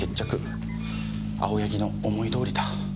青柳の思いどおりだ。